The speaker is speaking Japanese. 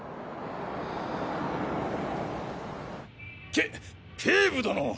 け警部殿！？